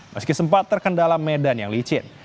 meski sempat terkendala medan yang licin